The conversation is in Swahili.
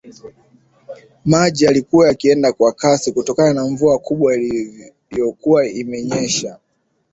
Maji yalikuwa yakienda kwa kasi kutokana na mvua kubwa iliyokuwa imenyesha